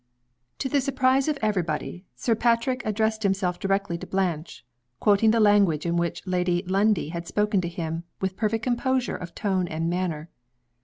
To the surprise of every body, Sir Patrick addressed himself directly to Blanche quoting the language in which Lady Lundie had spoken to him, with perfect composure of tone and manner.